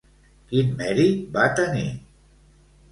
Quin mèrit va tenir?